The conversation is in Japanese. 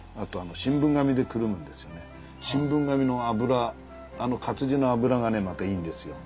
新聞紙の油あの活字の油がねまたいいんですよ。